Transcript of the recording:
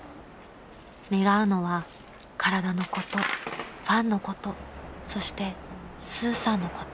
［願うのは体のことファンのことそしてスーさんのこと］